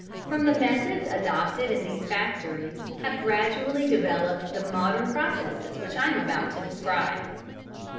From the methods adopted in these factories have gradually developed the modern processes which I am about to describe.